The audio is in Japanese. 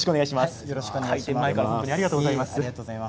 開店前からありがとうございます。